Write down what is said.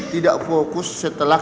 tidak fokus setelah